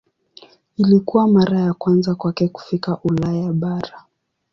Ilikuwa mara ya kwanza kwake kufika Ulaya bara.